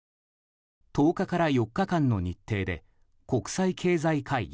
１０日から４日間の日程で国際経済会議